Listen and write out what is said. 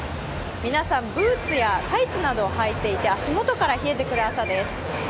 皆さん、ブーツやタイツなどをはいていて、足元から冷えてくる朝です。